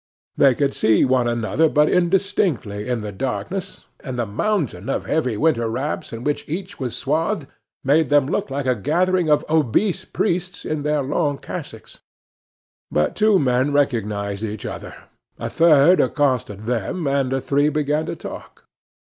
They could see one another but indistinctly in the darkness, and the mountain of heavy winter wraps in which each was swathed made them look like a gathering of obese priests in their long cassocks. But two men recognized each other, a third accosted them, and the three began to talk.